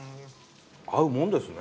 合うもんですね。